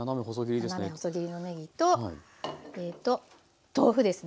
斜め細切りのねぎと豆腐ですね。